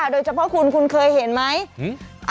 โดยเฉพาะคุณคุณเคยเห็นไหม